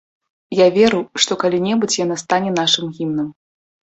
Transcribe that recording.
Я веру, што калі-небудзь яна стане нашым гімнам.